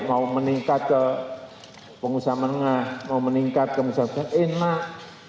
mau meningkat ke pengusaha menengah mau meningkat ke pengusaha besar enak